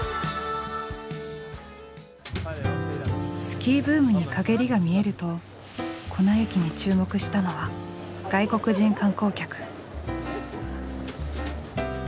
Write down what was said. スキーブームに陰りが見えると粉雪に注目したのは外国人観光客。